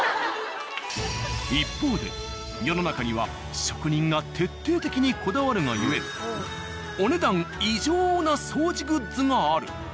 一方で世の中には職人が徹底的にこだわるがゆえ「お、ねだん異常。」な掃除グッズがある。